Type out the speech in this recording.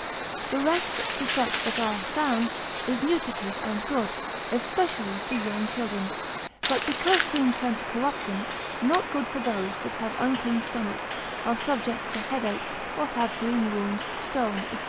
The rest, to such as are sound, is nutritive and good, especially for young children, but because soon turned to corruption, not good for those that have unclean stomachs, are subject to headache, or have green wounds, stone, &c.